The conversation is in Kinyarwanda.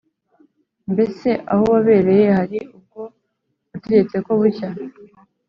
“mbese aho wabereye hari ubwo wategetse ko bucya,